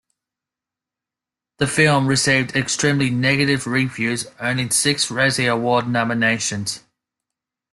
The film received extremely negative reviews, earning six Razzie Award nominations.